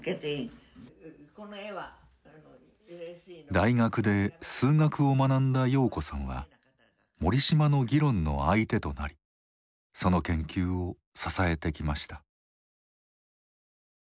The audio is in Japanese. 大学で数学を学んだ瑤子さんは森嶋の議論の相手となりその研究を支えてきました。